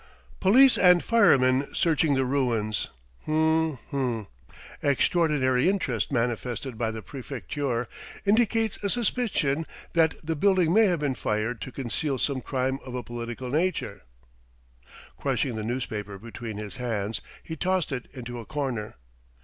'Police and firemen searching the ruins' hm hm ' _extraordinary interest manifested by the Préfecture indicates a suspicion that the building may have been fired to conceal some crime of a political nature_.'" Crushing the newspaper between his hands, he tossed it into a corner.